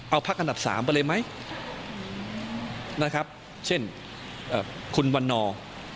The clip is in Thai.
เอาพรรคอันดับสามไปเลยมั้ยนะครับเช่นคุณวันนอร์